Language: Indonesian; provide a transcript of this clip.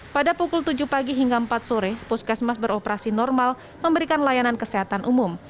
pada pukul tujuh pagi hingga empat sore puskesmas beroperasi normal memberikan layanan kesehatan umum